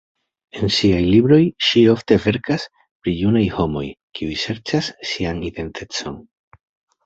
En siaj libroj ŝi ofte verkas pri junaj homoj, kiuj serĉas sian identecon.